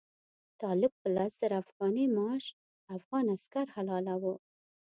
طالب په لس زره افغانۍ معاش افغان عسکر حلالاوه.